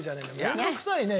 面倒くさいね。